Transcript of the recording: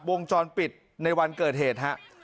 วงจรปิดในวันเกิดเหตุฮะ